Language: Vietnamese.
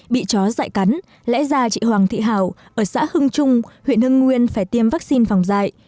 bị chó dại cắn lẽ ra chị hoàng thị hảo ở xã hưng trung huyện hưng nguyên phải tiêm vaccine phòng dạy